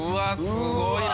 すごいな！